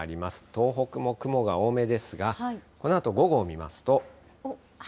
東北も雲が多めですが、このあと午後を見ますと。